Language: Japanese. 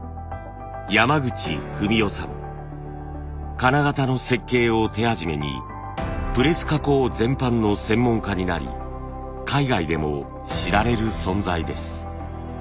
金型の設計を手始めにプレス加工全般の専門家になり海外でも知られる存在です。